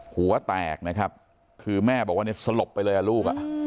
หัวแตกคือแม่บอกว่าสลบไปเลยลูก